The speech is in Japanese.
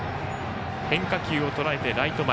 変化球をとらえてライト前。